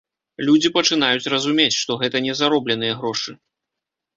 Людзі пачынаюць разумець, што гэта не заробленыя грошы.